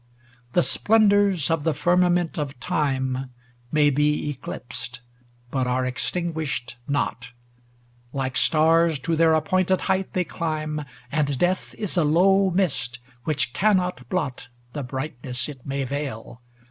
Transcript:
XLIV The splendors of the firmament of time May be eclipsed, but are extinguished not; Like stars to their appointed height they climb. And death is a low mist which cannot blot The brightness it may veil.